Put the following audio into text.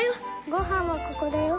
ごはんはここだよ。